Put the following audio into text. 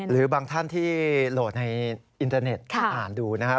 หรือบางท่านที่โหลดในอินเทอร์เน็ตอ่านดูนะครับ